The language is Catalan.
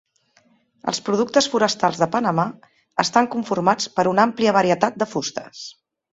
Els productes forestals de Panamà estan conformats per una àmplia varietat de fustes.